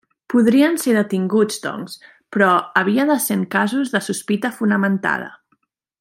Podien ser detinguts doncs, però havia de ser en casos de sospita fonamentada.